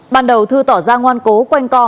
ban đầu thư tỏ ra ngoan cố quanh co